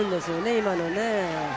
今のね。